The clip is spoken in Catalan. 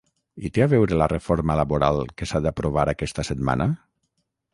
I té a veure la reforma laboral que s’ha d’aprovar aquesta setmana?